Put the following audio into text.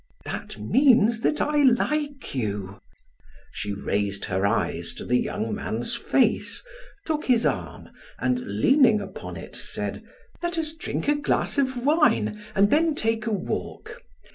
"That means that I like you"; she raised her eyes to the young man's face, took his arm and leaning upon it, said: "Let us drink a glass of wine and then take a walk.